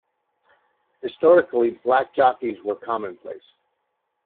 Historically, black jockeys were commonplace.